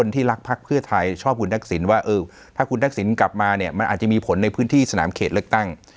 ถ้าคุณธักษิจน์กลับมามันอาจจะมีผลในพื้นที่สนามเขตเล็กตั้ง